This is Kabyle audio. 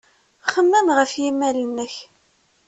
Xemmem ɣef yimal-nnek.